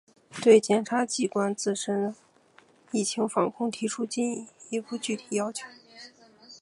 对检察机关自身疫情防控提出进一步具体要求